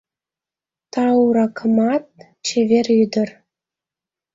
«Тау-ракмат, чевер ӱдыр